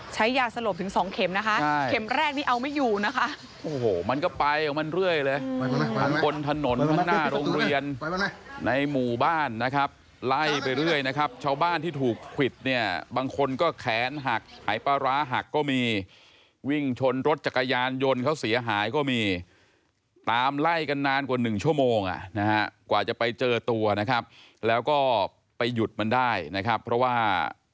ใช้ยาสลบถึงสองเข็มนะคะเข็มแรกนี่เอาไม่อยู่นะคะโอ้โหมันก็ไปของมันเรื่อยเลยทั้งบนถนนข้างหน้าโรงเรียนในหมู่บ้านนะครับไล่ไปเรื่อยนะครับชาวบ้านที่ถูกควิดเนี่ยบางคนก็แขนหักหายปลาร้าหักก็มีวิ่งชนรถจักรยานยนต์เขาเสียหายก็มีตามไล่กันนานกว่าหนึ่งชั่วโมงอ่ะนะฮะกว่าจะไปเจอตัวนะครับแล้วก็ไปหยุดมันได้นะครับเพราะว่า